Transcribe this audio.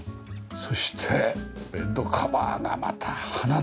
そしてベッドカバーがまた花だ。